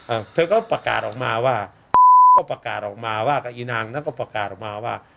เธอก็ประกาศออกมาว่าก็ประกาศออกมาว่ากับอีนางนั้นก็ประกาศออกมาว่า